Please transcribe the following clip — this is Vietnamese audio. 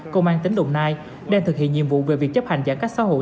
công an tỉnh đồng nai đang thực hiện nhiệm vụ về việc chấp hành giãn cách xã hội